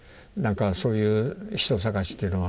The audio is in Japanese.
そういう人捜しっていうのは。